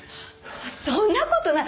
そんな事ない！